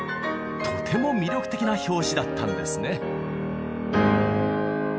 とても魅力的な拍子だったんですね。